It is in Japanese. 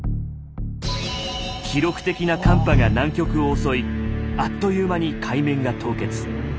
記録的な寒波が南極を襲いあっという間に海面が凍結。